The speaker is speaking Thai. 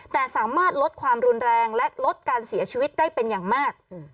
แต่สามารถลดความรุนแรงและลดการเสียชีวิตได้เป็นอย่างมาก